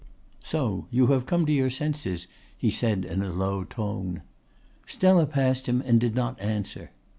"So you have come to your senses," he said in a low tone. Stella passed him and did not answer.